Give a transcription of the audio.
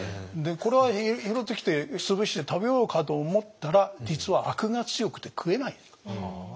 でこれを拾ってきて潰して食べようかと思ったら実はアクが強くて食えない。